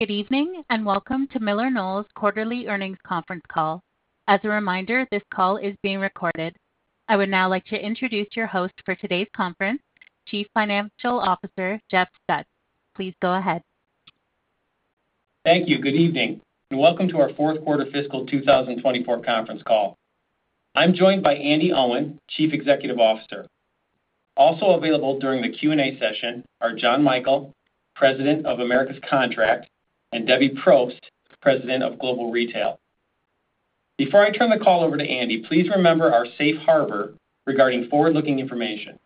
Good evening, and welcome to MillerKnoll's Quarterly Earnings Conference Call. As a reminder, this call is being recorded. I would now like to introduce your host for today's conference, Chief Financial Officer, Jeff Stutz. Please go ahead. Thank you. Good evening, and welcome to our Q4 fiscal 2024 conference call. I'm joined by Andi Owen, Chief Executive Officer. Also available during the Q&A session are John Michael, President of Americas Contract, and Debbie Propst, President of Global Retail. Before I turn the call over to Andi, please remember our safe harbor regarding forward-looking information.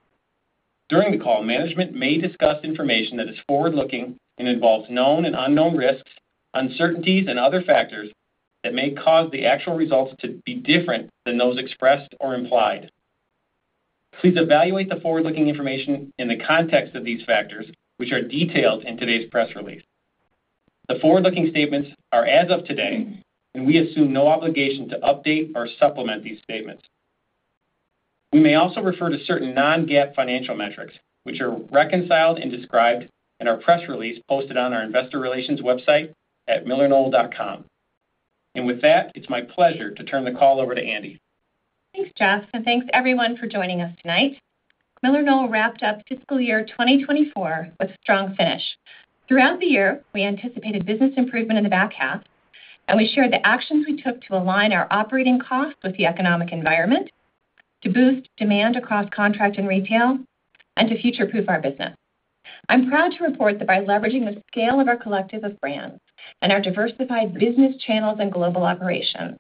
During the call, management may discuss information that is forward-looking and involves known and unknown risks, uncertainties, and other factors that may cause the actual results to be different than those expressed or implied. Please evaluate the forward-looking information in the context of these factors, which are detailed in today's press release. The forward-looking statements are as of today, and we assume no obligation to update or supplement these statements. We may also refer to certain non-GAAP financial metrics, which are reconciled and described in our press release posted on our investor relations website at millerknoll.com. With that, it's my pleasure to turn the call over to Andi. Thanks, Jeff, and thanks everyone for joining us tonight. MillerKnoll wrapped up fiscal year 2024 with a strong finish. Throughout the year, we anticipated business improvement in the back half, and we shared the actions we took to align our operating costs with the economic environment, to boost demand across contract and retail, and to future-proof our business. I'm proud to report that by leveraging the scale of our collective of brands and our diversified business channels and global operations,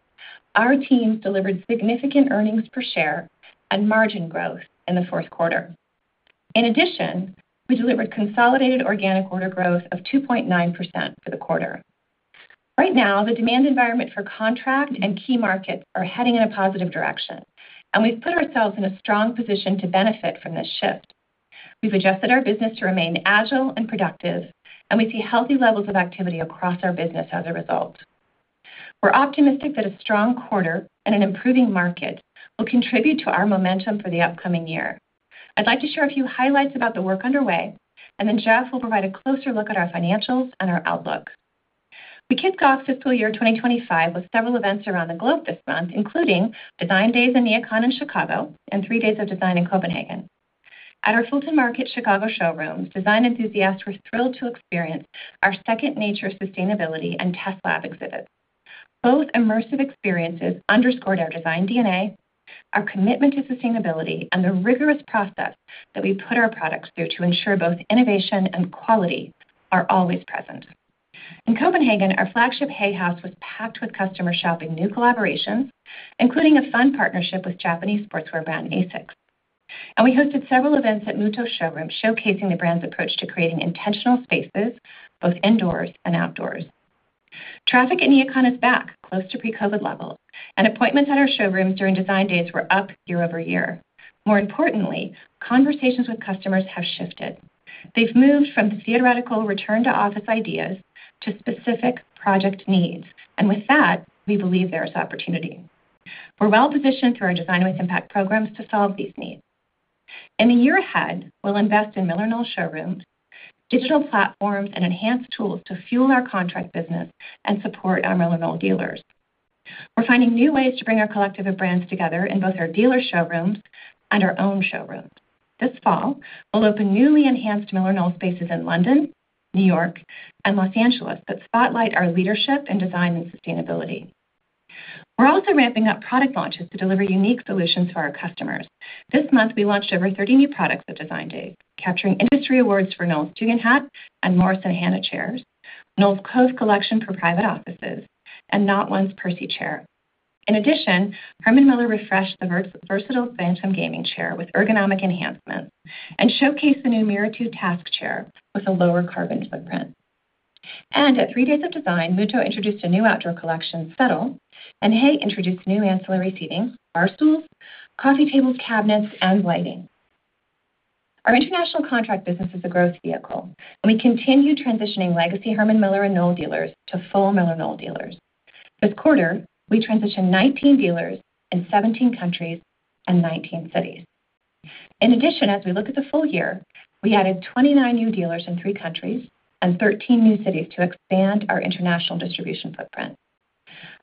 our teams delivered significant earnings per share and margin growth in the Q4. In addition, we delivered consolidated organic order growth of 2.9% for the quarter. Right now, the demand environment for contract and key markets are heading in a positive direction, and we've put ourselves in a strong position to benefit from this shift. We've adjusted our business to remain agile and productive, and we see healthy levels of activity across our business as a result. We're optimistic that a strong quarter and an improving market will contribute to our momentum for the upcoming year. I'd like to share a few highlights about the work underway, and then Jeff will provide a closer look at our financials and our outlook. We kicked off fiscal year 2025 with several events around the globe this month, including Design Days in NeoCon in Chicago and 3daysofdesign in Copenhagen. At our Fulton Market Chicago showrooms, design enthusiasts were thrilled to experience our Second Nature, sustainability and Test Lab exhibits. Both immersive experiences underscored our design DNA, our commitment to sustainability, and the rigorous process that we put our products through to ensure both innovation and quality are always present. In Copenhagen, our flagship HAY House was packed with customer shopping, new collaborations, including a fun partnership with Japanese sportswear brand, [ASICS]. We hosted several events at Muuto Showroom, showcasing the brand's approach to creating intentional spaces, both indoors and outdoors. Traffic at NeoCon is back, close to pre-COVID levels, and appointments at our showrooms during Design Days were up year-over-year. More importantly, conversations with customers have shifted. They've moved from the theoretical return to office ideas to specific project needs, and with that, we believe there is opportunity. We're well-positioned through our Design with Impact programs to solve these needs. In the year ahead, we'll invest in MillerKnoll showrooms, digital platforms, and enhanced tools to fuel our contract business and support our MillerKnoll dealers. We're finding new ways to bring our collective of brands together in both our dealer showrooms and our own showrooms. This fall, we'll open newly enhanced MillerKnoll spaces in London, New York, and Los Angeles that spotlight our leadership in design and sustainability. We're also ramping up product launches to deliver unique solutions to our customers. This month, we launched over 30 new products at Design Day, capturing industry awards for Knoll's Tugendhat and Morrison and Hannah chairs, Knoll's Code collection for private offices, and NaughtOne's Percy chair. In addition, Herman Miller refreshed the versatile Vantum gaming chair with ergonomic enhancements and showcased the new Mirra 2 task chair with a lower carbon footprint. At 3daysofdesign Muuto introduced a new outdoor collection, Settle, and HAY introduced new ancillary seating, bar stools, coffee tables, cabinets, and lighting. Our international contract business is a growth vehicle, and we continue transitioning legacy Herman Miller and Knoll dealers to full MillerKnoll dealers. This quarter, we transitioned 19 dealers in 17 countries and 19 cities. In addition, as we look at the full year, we added 29 new dealers in three countries and 13 new cities to expand our international distribution footprint.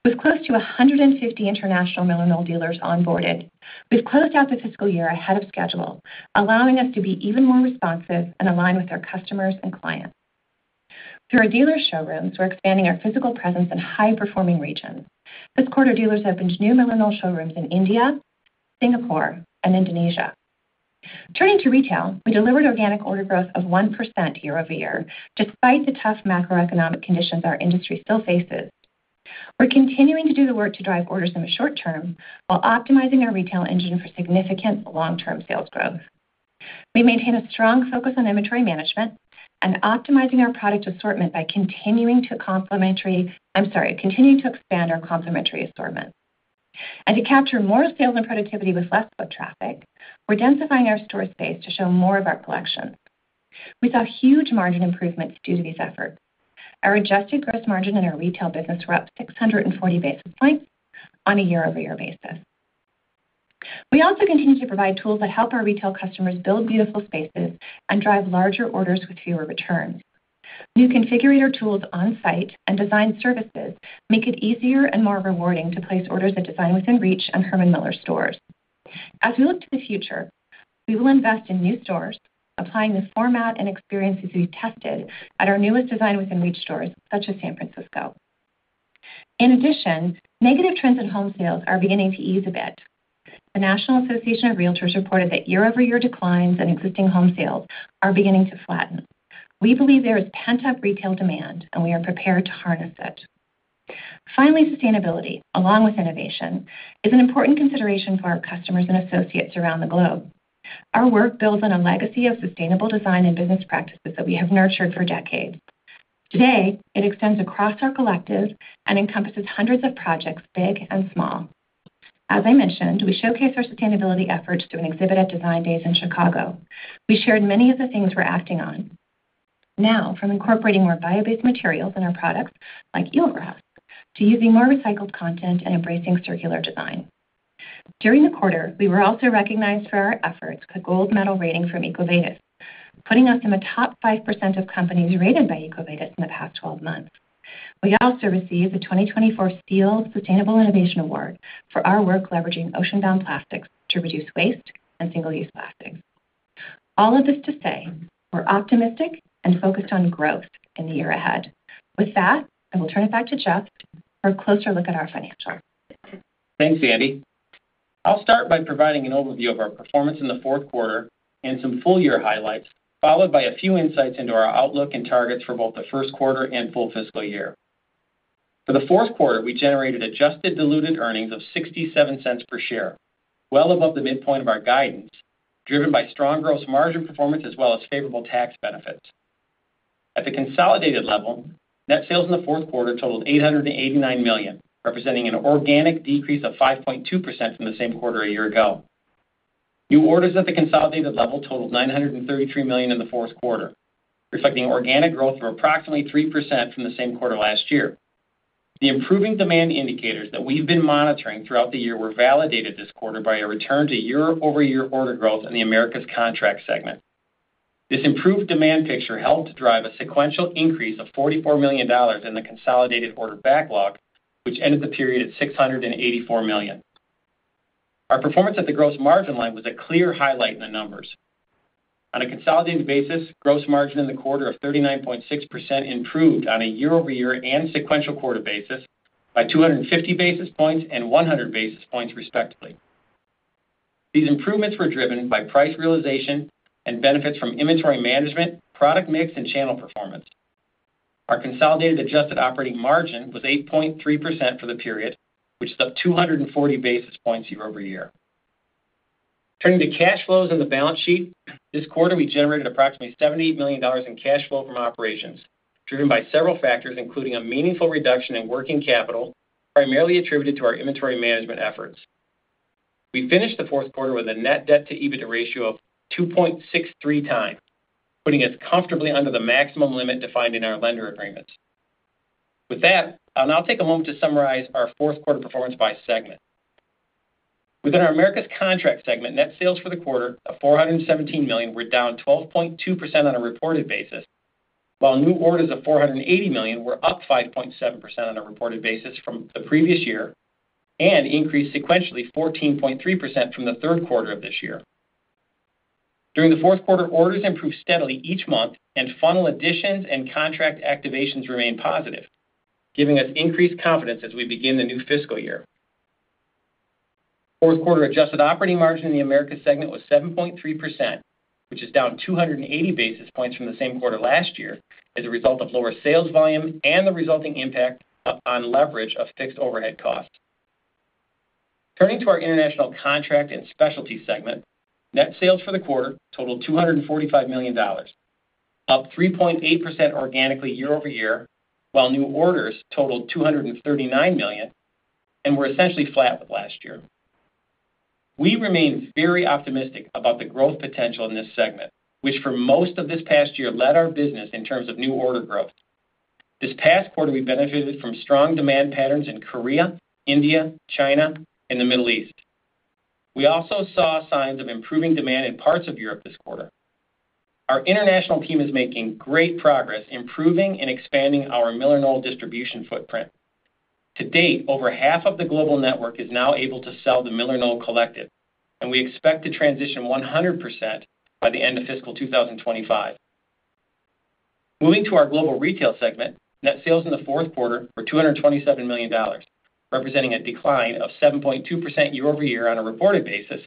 With close to 150 international MillerKnoll dealers onboarded, we've closed out the fiscal year ahead of schedule, allowing us to be even more responsive and align with our customers and clients. Through our dealer showrooms, we're expanding our physical presence in high-performing regions. This quarter, dealers opened new MillerKnoll showrooms in India, Singapore, and Indonesia. Turning to retail, we delivered organic order growth of 1% year-over-year, despite the tough macroeconomic conditions our industry still faces. We're continuing to do the work to drive orders in the short term while optimizing our retail engine for significant long-term sales growth. We maintain a strong focus on inventory management and optimizing our product assortment by continuing to complementary... I'm sorry, continuing to expand our complementary assortment. And to capture more sales and productivity with less foot traffic, we're densifying our store space to show more of our collection. We saw huge margin improvements due to these efforts. Our adjusted gross margin in our retail business were up 640 basis points on a year-over-year basis. We also continue to provide tools that help our retail customers build beautiful spaces and drive larger orders with fewer returns. New configurator tools on site and design services make it easier and more rewarding to place orders at Design Within Reach and Herman Miller stores. As we look to the future, we will invest in new stores, applying this format and experiences we tested at our newest Design Within Reach stores, such as San Francisco. In addition, negative trends in home sales are beginning to ease a bit. The National Association of Realtors reported that year-over-year declines in existing home sales are beginning to flatten. We believe there is pent-up retail demand, and we are prepared to harness it. Finally, sustainability, along with innovation, is an important consideration for our customers and associates around the globe. Our work builds on a legacy of sustainable design and business practices that we have nurtured for decades. Today, it extends across our collective and encompasses hundreds of projects, big and small. As I mentioned, we showcase our sustainability efforts through an exhibit at Design Days in Chicago. We shared many of the things we're acting on now, from incorporating more bio-based materials in our products, like Eelgrass to using more recycled content and embracing circular design. During the quarter, we were also recognized for our efforts with a gold medal rating from EcoVadis, putting us in the top 5% of companies rated by EcoVadis in the past 12 months. We also received the 2024 Steel Sustainable Innovation Award for our work leveraging ocean-bound plastics to reduce waste and single-use plastics. All of this to say, we're optimistic and focused on growth in the year ahead. With that, I will turn it back to Jeff for a closer look at our financials. Thanks, Andi. I'll start by providing an overview of our performance in the Q4 and some full year highlights, followed by a few insights into our outlook and targets for both the Q1 and full fiscal year. For the fourth quarter, we generated adjusted diluted earnings of $0.67 per share, well above the midpoint of our guidance, driven by strong gross margin performance, as well as favorable tax benefits. At the consolidated level, net sales in the Q4 totaled $889 million, representing an organic decrease of 5.2% from the same quarter a year ago. New orders at the consolidated level totaled $933 million in the Q4, reflecting organic growth of approximately 3% from the same quarter last year. The improving demand indicators that we've been monitoring throughout the year were validated this quarter by a return to year-over-year order growth in the Americas contract segment. This improved demand picture helped drive a sequential increase of $44 million in the consolidated order backlog, which ended the period at $684 million. Our performance at the gross margin line was a clear highlight in the numbers. On a consolidated basis, gross margin in the quarter of 39.6% improved on a year-over-year and sequential quarter basis by 250 basis points and 100 basis points, respectively. These improvements were driven by price realization and benefits from inventory management, product mix, and channel performance. Our consolidated adjusted operating margin was 8.3% for the period, which is up 240 basis points year over year. Turning to cash flows in the balance sheet, this quarter, we generated approximately $78 million in cash flow from operations, driven by several factors, including a meaningful reduction in working capital, primarily attributed to our inventory management efforts. We finished the Q4 with a net debt to EBITDA ratio of 2.63x, putting us comfortably under the maximum limit defined in our lender agreements. With that, I'll now take a moment to summarize our fourth quarter performance by segment. Within our Americas contract segment, net sales for the quarter of $417 million were down 12.2% on a reported basis, while new orders of $480 million were up 5.7% on a reported basis from the previous year and increased sequentially 14.3% from the Q3 of this year. During the Q4 orders improved steadily each month, and funnel additions and contract activations remained positive, giving us increased confidence as we begin the new fiscal year. Q4 adjusted operating margin in the Americas segment was 7.3%, which is down 280 basis points from the same quarter last year, as a result of lower sales volume and the resulting impact on leverage of fixed overhead costs. Turning to our international contract and specialty segment, net sales for the quarter totaled $245 million, up 3.8% organically year-over-year, while new orders totaled $239 million and were essentially flat with last year. We remain very optimistic about the growth potential in this segment, which, for most of this past year, led our business in terms of new order growth. This past quarter, we benefited from strong demand patterns in Korea, India, China, and the Middle East. We also saw signs of improving demand in parts of Europe this quarter. Our international team is making great progress improving and expanding our MillerKnoll distribution footprint. To date, over half of the global network is now able to sell the MillerKnoll collective, and we expect to transition 100% by the end of fiscal 2025. Moving to our global retail segment, net sales in the Q4 were $227 million, representing a decline of 7.2% year-over-year on a reported basis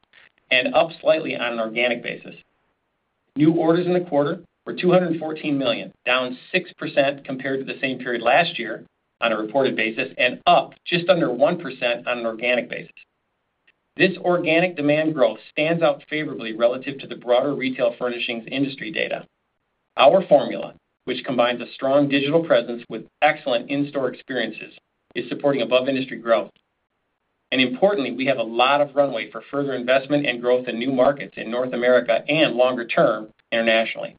and up slightly on an organic basis. New orders in the quarter were $214 million, down 6% compared to the same period last year on a reported basis and up just under 1% on an organic basis. This organic demand growth stands out favorably relative to the broader retail furnishings industry data. Our formula, which combines a strong digital presence with excellent in-store experiences, is supporting above-industry growth. Importantly, we have a lot of runway for further investment and growth in new markets in North America and longer term internationally.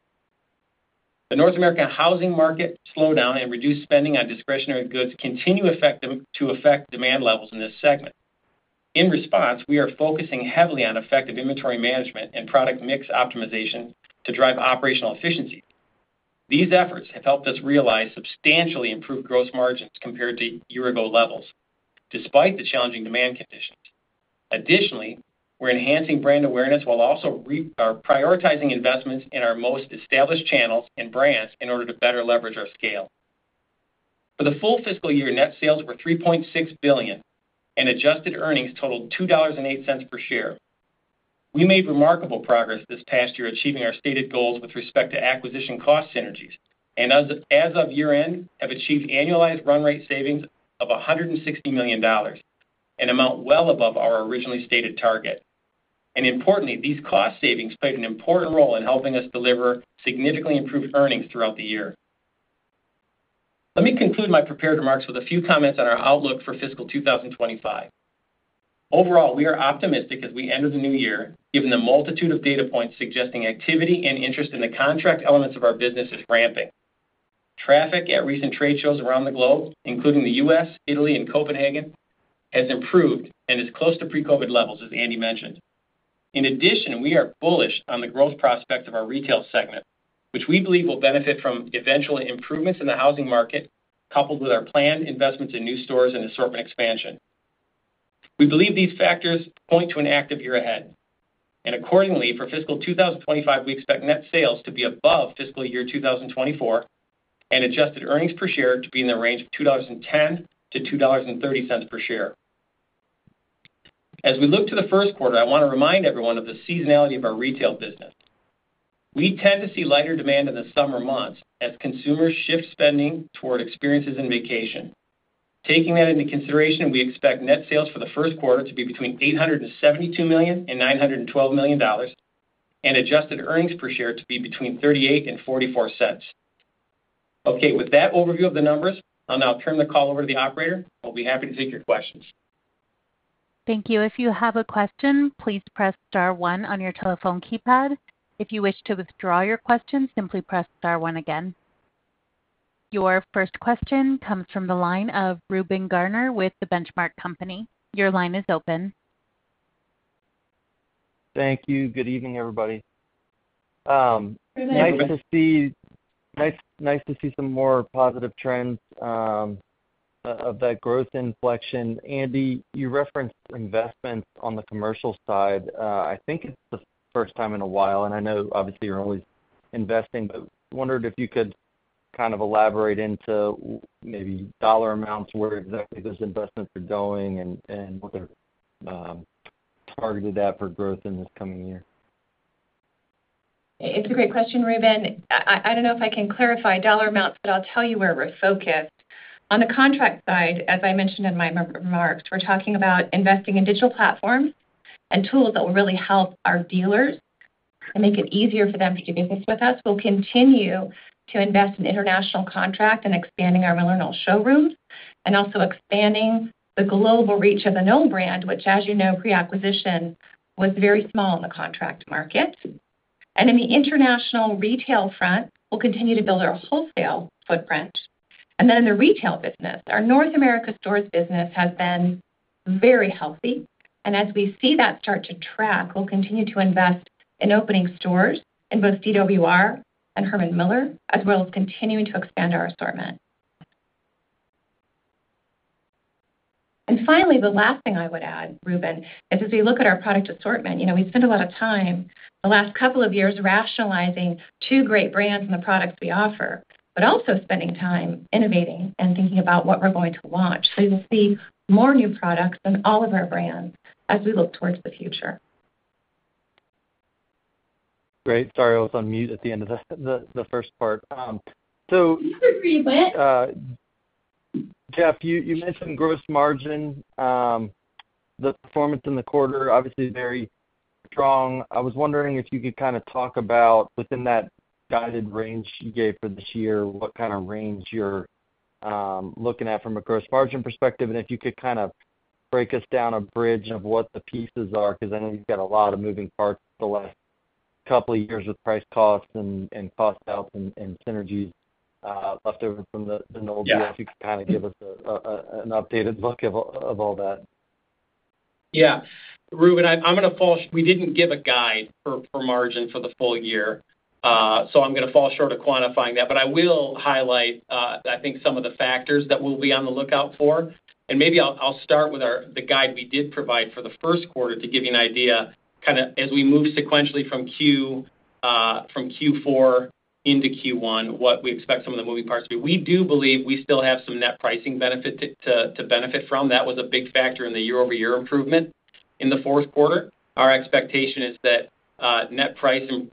The North American housing market slowdown and reduced spending on discretionary goods continue to effectively affect demand levels in this segment. In response, we are focusing heavily on effective inventory management and product mix optimization to drive operational efficiency. These efforts have helped us realize substantially improved gross margins compared to year-ago levels, despite the challenging demand conditions. Additionally, we're enhancing brand awareness while also reprioritizing investments in our most established channels and brands in order to better leverage our scale. For the full fiscal year, net sales were $3.6 billion, and adjusted earnings totaled $2.08 per share. We made remarkable progress this past year achieving our stated goals with respect to acquisition cost synergies, and as of year-end, have achieved annualized run rate savings of $160 million, an amount well above our originally stated target. Importantly, these cost savings played an important role in helping us deliver significantly improved earnings throughout the year. Let me conclude my prepared remarks with a few comments on our outlook for fiscal 2025. Overall, we are optimistic as we enter the new year, given the multitude of data points suggesting activity and interest in the contract elements of our business is ramping. Traffic at recent trade shows around the globe, including the US, Italy, and Copenhagen, has improved and is close to pre-COVID levels, as Andy mentioned. In addition, we are bullish on the growth prospects of our retail segment, which we believe will benefit from eventual improvements in the housing market, coupled with our planned investments in new stores and assortment expansion. We believe these factors point to an active year ahead, and accordingly, for fiscal 2025, we expect net sales to be above fiscal year 2024, and adjusted earnings per share to be in the range of $2.10-$2.30 per share. As we look to the Q1, I wanna remind everyone of the seasonality of our retail business. We tend to see lighter demand in the summer months as consumers shift spending toward experiences and vacation. Taking that into consideration, we expect net sales for the Q1 to be between $872 million-$912 million and adjusted earnings per share to be between $0.38 -$0.44. Okay, with that overview of the numbers, I'll now turn the call over to the operator, who will be happy to take your questions. Thank you. If you have a question, please press star one on your telephone keypad. If you wish to withdraw your question, simply press star one again. Your first question comes from the line of Reuben Garner with The Benchmark Company. Your line is open. Thank you. Good evening, everybody. Good evening. Nice to see some more positive trends of that growth inflection. Andi, you referenced investments on the commercial side. I think it's the first time in a while, and I know obviously you're always investing, but wondered if you could kind of elaborate into maybe dollar amounts, where exactly those investments are going and what they're targeted at for growth in this coming year? It's a great question, Reuben. I don't know if I can clarify dollar amounts, but I'll tell you where we're focused. On the contract side, as I mentioned in my remarks, we're talking about investing in digital platforms and tools that will really help our dealers and make it easier for them to do business with us. We'll continue to invest in international contract and expanding our Milan showrooms, and also expanding the global reach of the Knoll brand, which, as you know, pre-acquisition was very small in the contract market. In the international retail front, we'll continue to build our wholesale footprint. Then in the retail business, our North America stores business has been very healthy. As we see that start to track, we'll continue to invest in opening stores in both DWR and Herman Miller, as well as continuing to expand our assortment. Finally, the last thing I would add, Reuben, is as we look at our product assortment, you know, we've spent a lot of time, the last couple of years, rationalizing two great brands and the products we offer, but also spending time innovating and thinking about what we're going to launch. You'll see more new products in all of our brands as we look towards the future. Great. Sorry, I was on mute at the end of the first part. So- You were great, Reuben. Jeff, you mentioned gross margin. The performance in the quarter, obviously very strong. I was wondering if you could kind of talk about, within that guided range you gave for this year, what kind of range you're looking at from a gross margin perspective, and if you could kind of break us down a bridge of what the pieces are, 'cause I know you've got a lot of moving parts the last couple of years with price costs and cost out and synergies left over from the Knoll deal. Yeah. If you could kind of give us an updated look of all that. Yeah. Reuben, we didn't give a guide for margin for the full year, so I'm gonna fall short of quantifying that. But I will highlight some of the factors that we'll be on the lookout for, and maybe I'll start with the guide we did provide for the Q1 to give you an idea, kinda as we move sequentially from Q4 into Q1, what we expect some of the moving parts to be. We do believe we still have some net pricing benefit to benefit from. That was a big factor in the year-over-year improvement in the fourth quarter. Our expectation is that net pricing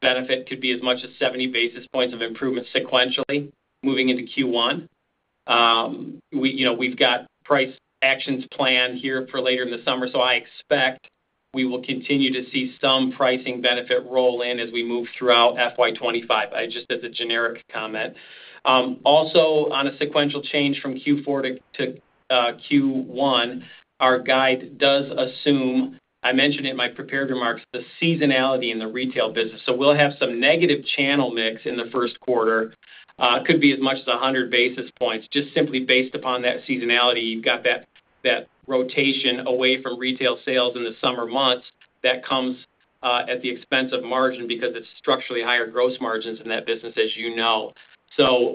benefit could be as much as 70 basis points of improvement sequentially, moving into Q1. We, you know, we've got price actions planned here for later in the summer, so I expect we will continue to see some pricing benefit roll in as we move throughout FY 25. I just, as a generic comment. Also, on a sequential change from Q4 to Q1, our guide does assume, I mentioned in my prepared remarks, the seasonality in the retail business. So we'll have some negative channel mix in the Q1. Could be as much as 100 basis points, just simply based upon that seasonality. You've got that rotation away from retail sales in the summer months that comes at the expense of margin because it's structurally higher gross margins in that business, as you know. So,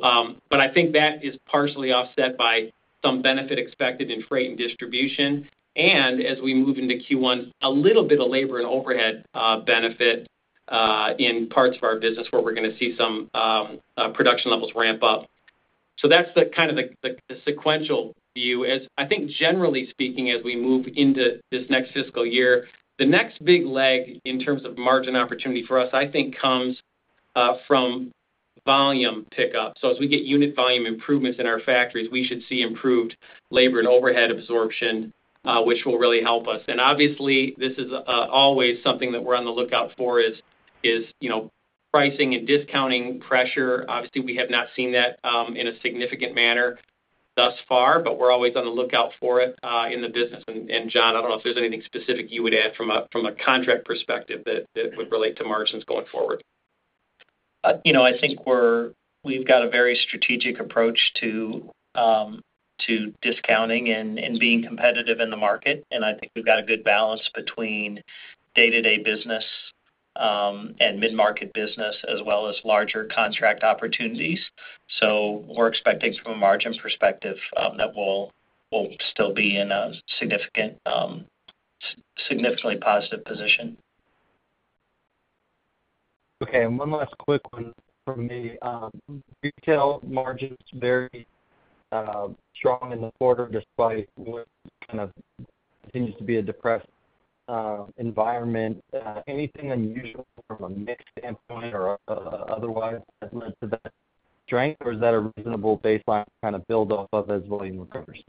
but I think that is partially offset by some benefit expected in freight and distribution. As we move into Q1, a little bit of labor and overhead benefit in parts of our business where we're gonna see some production levels ramp up. So that's the kind of sequential view. As I think, generally speaking, as we move into this next fiscal year, the next big leg in terms of margin opportunity for us, I think, comes from volume pickup. So as we get unit volume improvements in our factories, we should see improved labor and overhead absorption, which will really help us. And obviously, this is always something that we're on the lookout for is, you know, pricing and discounting pressure. Obviously, we have not seen that in a significant manner thus far, but we're always on the lookout for it in the business. John, I don't know if there's anything specific you would add from a contract perspective that would relate to margins going forward. You know, I think we've got a very strategic approach to discounting and being competitive in the market. And I think we've got a good balance between day-to-day business and mid-market business, as well as larger contract opportunities. So we're expecting from a margin perspective that we'll still be in a significantly positive position. Okay, and one last quick one from me. Retail margins very strong in the quarter, despite what kind of continues to be a depressed environment. Anything unusual from a mix standpoint or otherwise that led to that strength, or is that a reasonable baseline to kind of build off of as volume recovers?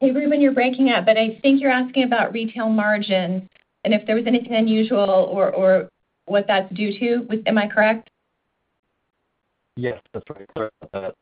Hey, Reuben, you're breaking up, but I think you're asking about retail margins and if there was anything unusual or, or what that's due to. Was - am I correct? Yes, that's right. Sorry about that.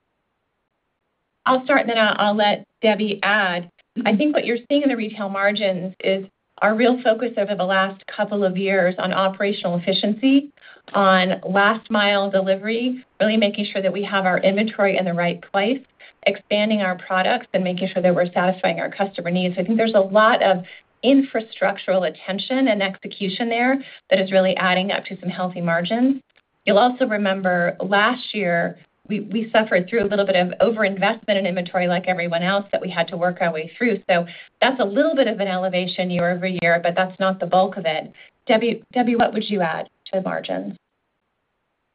I'll start, and then I'll, I'll let Debbie add. I think what you're seeing in the retail margins is our real focus over the last couple of years on operational efficiency, on last mile delivery, really making sure that we have our inventory in the right place, expanding our products, and making sure that we're satisfying our customer needs. I think there's a lot of infrastructural attention and execution there that is really adding up to some healthy margins. You'll also remember last year, we, we suffered through a little bit of overinvestment in inventory like everyone else, that we had to work our way through. So that's a little bit of an elevation year-over-year, but that's not the bulk of it. Debbie, Debbie, what would you add to the margins?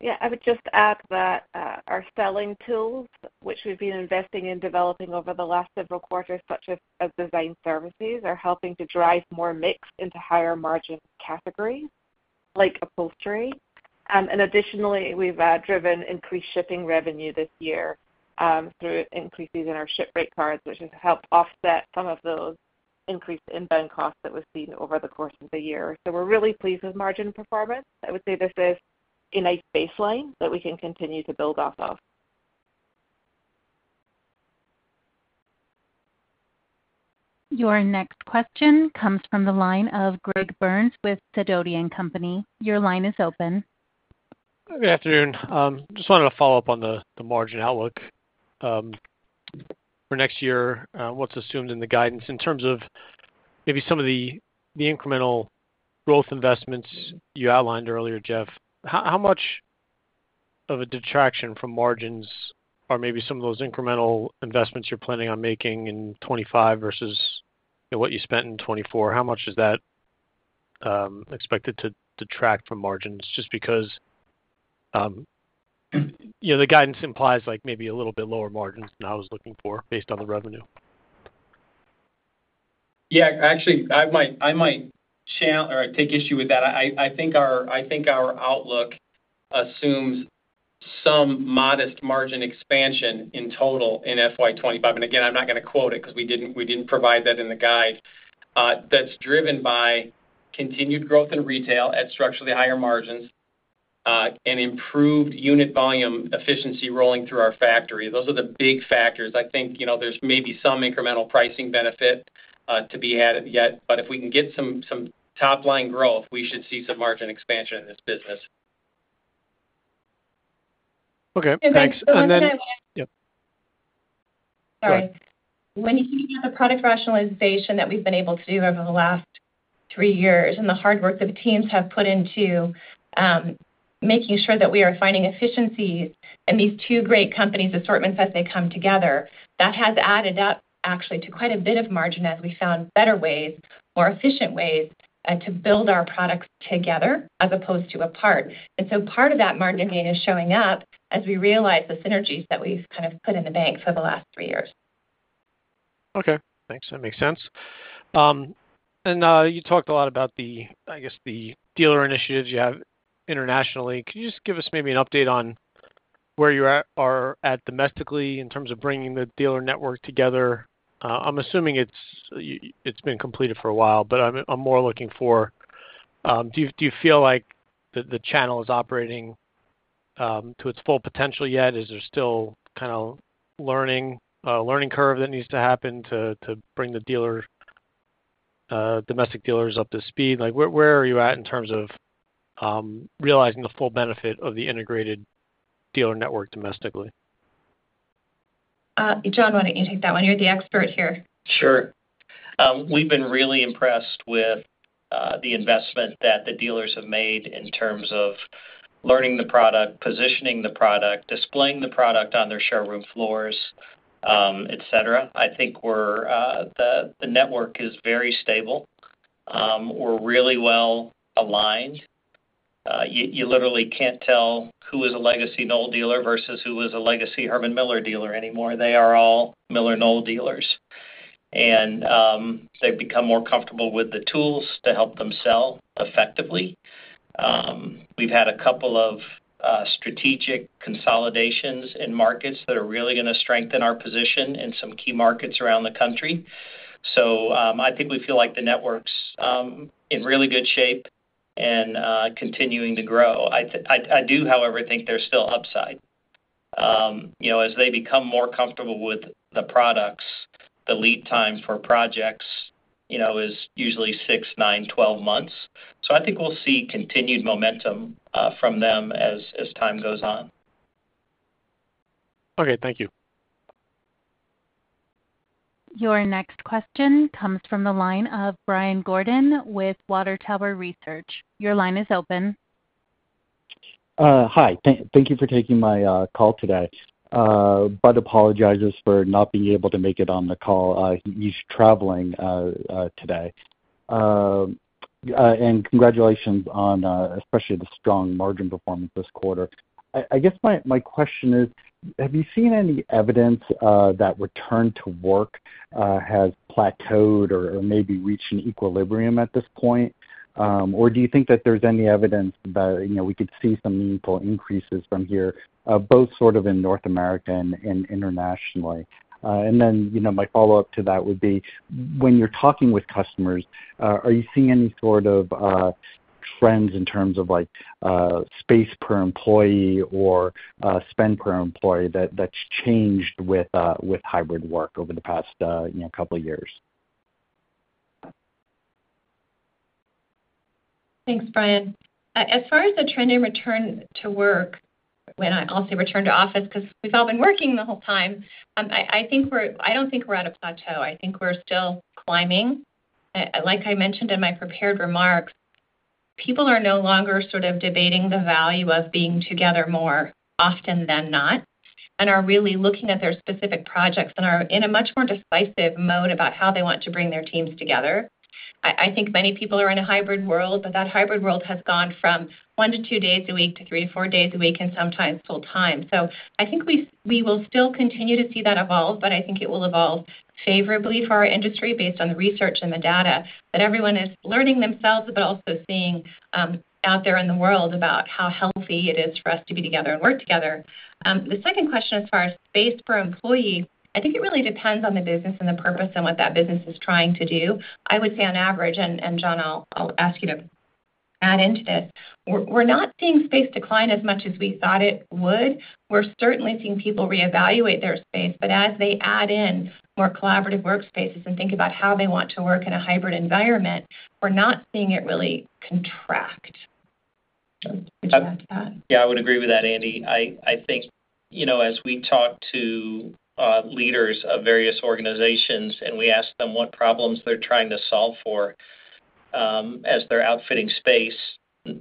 Yeah, I would just add that our selling tools, which we've been investing in developing over the last several quarters, such as design services, are helping to drive more mix into higher margin categories, like upholstery. And additionally, we've driven increased shipping revenue this year through increases in our ship rate cards, which has helped offset some of those increased inventory costs that we've seen over the course of the year. So we're really pleased with margin performance. I would say this is a nice baseline that we can continue to build off of. Your next question comes from the line of Greg Burns with Sidoti & Company. Your line is open. Good afternoon. Just wanted to follow up on the margin outlook for next year, what's assumed in the guidance. In terms of maybe some of the incremental growth investments you outlined earlier, Jeff, how much of a detraction from margins are maybe some of those incremental investments you're planning on making in 2025 versus, you know, what you spent in 2024? How much is that expected to detract from margins? Just because, you know, the guidance implies like maybe a little bit lower margins than I was looking for based on the revenue. Yeah, actually, I might channel or take issue with that. I think our outlook assumes some modest margin expansion in total in FY 2025. And again, I'm not gonna quote it because we didn't provide that in the guide. That's driven by continued growth in retail at structurally higher margins, and improved unit volume efficiency rolling through our factory. Those are the big factors. I think, you know, there's maybe some incremental pricing benefit to be added yet, but if we can get some top-line growth, we should see some margin expansion in this business. Okay, thanks. And then- And then, one thing Yep. Sorry. Go ahead. When you look at the product rationalization that we've been able to do over the last three years, and the hard work that the teams have put into making sure that we are finding efficiencies in these two great companies' assortments as they come together, that has added up actually to quite a bit of margin as we found better ways, more efficient ways, to build our products together as opposed to apart. And so part of that margin gain is showing up as we realize the synergies that we've kind of put in the bank for the last three years. Okay, thanks. That makes sense. You talked a lot about the, I guess, the dealer initiatives you have internationally. Can you just give us maybe an update on where you're at domestically in terms of bringing the dealer network together. I'm assuming it's been completed for a while, but I'm more looking for, do you feel like the channel is operating to its full potential yet? Is there still kind of a learning curve that needs to happen to bring the domestic dealers up to speed? Like, where are you at in terms of realizing the full benefit of the integrated dealer network domestically? John, why don't you take that one? You're the expert here. Sure. We've been really impressed with the investment that the dealers have made in terms of learning the product, positioning the product, displaying the product on their showroom floors, et cetera. I think we're the network is very stable. We're really well aligned. You literally can't tell who is a legacy Knoll dealer versus who is a legacy Herman Miller dealer anymore. They are all MillerKnoll dealers. And they've become more comfortable with the tools to help them sell effectively. We've had a couple of strategic consolidations in markets that are really gonna strengthen our position in some key markets around the country. So I think we feel like the network's in really good shape and continuing to grow. I do, however, think there's still upside. You know, as they become more comfortable with the products, the lead time for projects, you know, is usually six, nine, 12 months. So I think we'll see continued momentum from them as time goes on. Okay, thank you. Your next question comes from the line of Brian Gordon with Water Tower Research. Your line is open. Hi. Thank you for taking my call today. But apologizes for not being able to make it on the call. He's traveling today. Congratulations on especially the strong margin performance this quarter. I guess my question is, have you seen any evidence that return to work has plateaued or maybe reached an equilibrium at this point? Or do you think that there's any evidence that, you know, we could see some meaningful increases from here, both sort of in North America and internationally? And then, you know, my follow-up to that would be: when you're talking with customers, are you seeing any sort of trends in terms of, like, space per employee or spend per employee that's changed with hybrid work over the past, you know, couple years? Thanks, Brian. As far as the trend in return to work, I'll say return to office, 'cause we've all been working the whole time. I don't think we're at a plateau. I think we're still climbing. Like I mentioned in my prepared remarks, people are no longer sort of debating the value of being together more often than not, and are really looking at their specific projects, and are in a much more decisive mode about how they want to bring their teams together. I think many people are in a hybrid world, but that hybrid world has gone from one to two days a week, to three to four days a week, and sometimes full time. So I think we will still continue to see that evolve, but I think it will evolve favorably for our industry based on the research and the data that everyone is learning themselves, but also seeing out there in the world about how healthy it is for us to be together and work together. The second question, as far as space per employee, I think it really depends on the business and the purpose and what that business is trying to do. I would say on average, and John, I'll ask you to add into this, we're not seeing space decline as much as we thought it would. We're certainly seeing people reevaluate their space, but as they add in more collaborative workspaces and think about how they want to work in a hybrid environment, we're not seeing it really contract. John, would you add to that? Yeah, I would agree with that, Andi. I think, you know, as we talk to leaders of various organizations, and we ask them what problems they're trying to solve for, as they're outfitting space,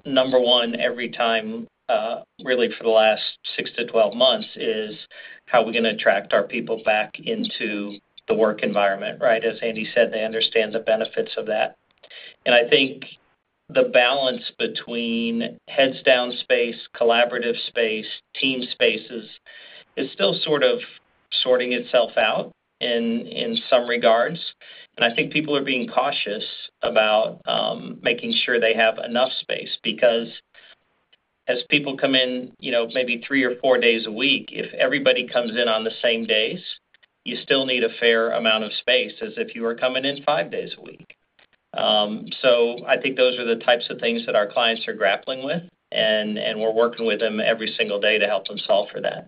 number one, every time, really for the last six to 12 months, is: How are we gonna attract our people back into the work environment, right? As Andi said, they understand the benefits of that. And I think the balance between heads down space, collaborative space, team spaces, is still sort of sorting itself out in some regards. I think people are being cautious about making sure they have enough space, because as people come in, you know, maybe three or four days a week, if everybody comes in on the same days, you still need a fair amount of space as if you were coming in five days a week. So I think those are the types of things that our clients are grappling with, and, and we're working with them every single day to help them solve for that.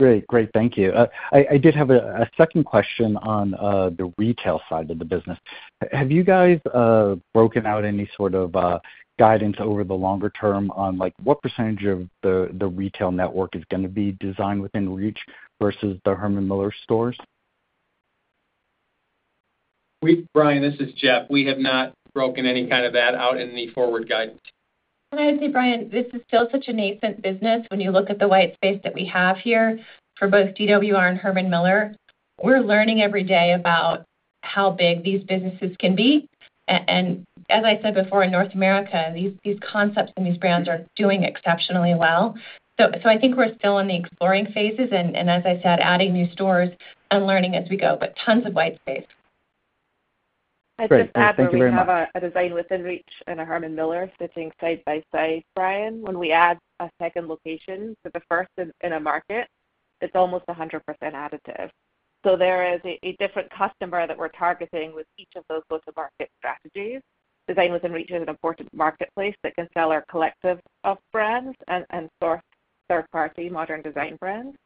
Great. Great, thank you. I did have a second question on the retail side of the business. Have you guys broken out any sort of guidance over the longer term on, like, what percentage of the retail network is gonna be Design Within Reach versus the Herman Miller stores? Brian, this is Jeff. We have not broken any kind of that out in the forward guidance. I would say, Brian, this is still such a nascent business when you look at the white space that we have here for both DWR and Herman Miller. We're learning every day about how big these businesses can be. And as I said before, in North America, these, these concepts and these brands are doing exceptionally well. So, so I think we're still in the exploring phases and, and as I said, adding new stores and learning as we go, but tons of white space. ... I'd just add that we have a Design Within Reach and a Herman Miller sitting side by side, Brian. When we add a second location to the first in a market, it's almost 100% additive. So there is a different customer that we're targeting with each of those go-to-market strategies. Design Within Reach is an important marketplace that can sell our collective of brands and source third-party modern design brands.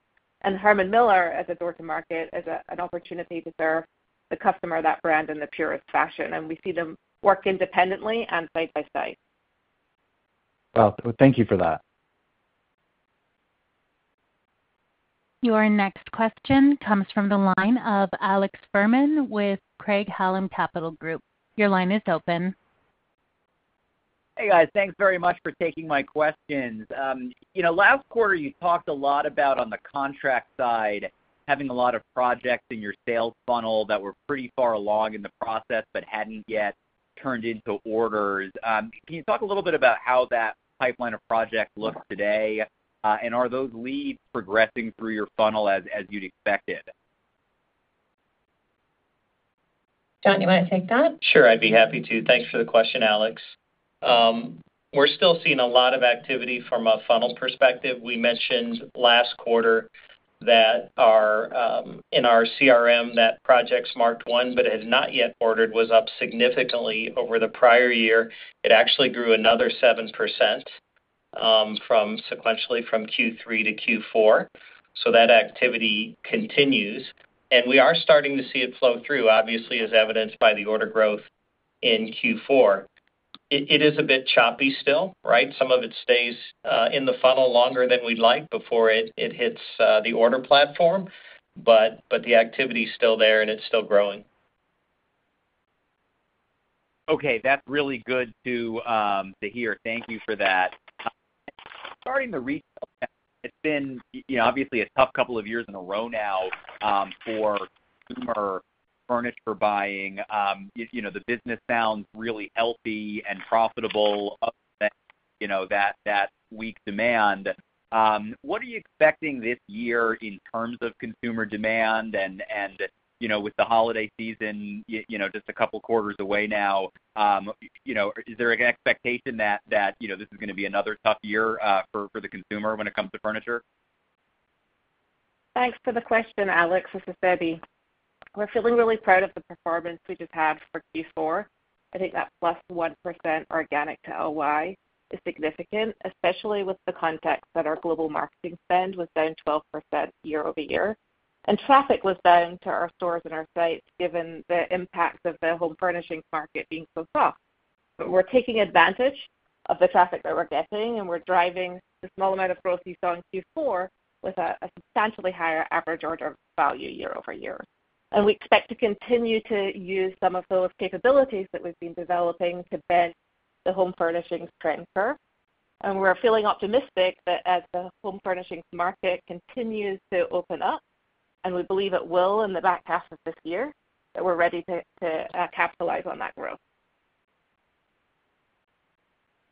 And Herman Miller, as a door-to-market, is an opportunity to serve the customer that brand in the purest fashion, and we see them work independently and side by side. Well, thank you for that. Your next question comes from the line of Alex Fuhrman with Craig-Hallum Capital Group. Your line is open. Hey, guys. Thanks very much for taking my questions. You know, last quarter, you talked a lot about on the contract side, having a lot of projects in your sales funnel that were pretty far along in the process but hadn't yet turned into orders. Can you talk a little bit about how that pipeline of projects looks today? And are those leads progressing through your funnel as you'd expected? John, you want to take that? Sure, I'd be happy to. Thanks for the question, Alex. We're still seeing a lot of activity from a funnel perspective. We mentioned last quarter that our, in our CRM, that projects marked one, but has not yet ordered, was up significantly over the prior year. It actually grew another 7%, from sequentially from Q3 to Q4, so that activity continues. And we are starting to see it flow through, obviously, as evidenced by the order growth in Q4. It is a bit choppy still, right? Some of it stays in the funnel longer than we'd like before it hits the order platform, but the activity is still there, and it's still growing. Okay, that's really good to, to hear. Thank you for that. Starting to retail, it's been, you know, obviously a tough couple of years in a row now, for consumer furniture buying. You know, the business sounds really healthy and profitable, you know, that, that weak demand. What are you expecting this year in terms of consumer demand and, and, you know, with the holiday season, you know, just a couple quarters away now, you know, is there an expectation that, that, you know, this is gonna be another tough year, for, for the consumer when it comes to furniture? Thanks for the question, Alex. This is Debbie. We're feeling really proud of the performance we just had for Q4. I think that +1% organic YoY is significant, especially with the context that our global marketing spend was down 12% year-over-year, and traffic was down to our stores and our sites, given the impact of the home furnishings market being so soft. But we're taking advantage of the traffic that we're getting, and we're driving the small amount of growth we saw in Q4 with a substantially higher average order value year-over-year. And we expect to continue to use some of those capabilities that we've been developing to bend the home furnishings trend curve. We're feeling optimistic that as the home furnishings market continues to open up, and we believe it will in the back half of this year, that we're ready to capitalize on that growth.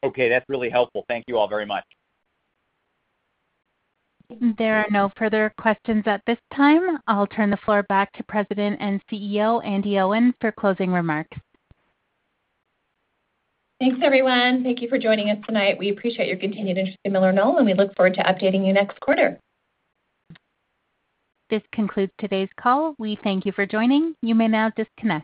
Okay, that's really helpful. Thank you all very much. There are no further questions at this time. I'll turn the floor back to President and CEO, Andi Owen, for closing remarks. Thanks, everyone. Thank you for joining us tonight. We appreciate your continued interest in MillerKnoll, and we look forward to updating you next quarter. This concludes today's call. We thank you for joining. You may now disconnect.